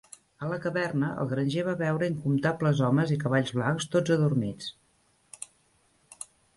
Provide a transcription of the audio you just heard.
"A la caverna, el granger va veure incomptables homes i cavalls blancs, tots adormits."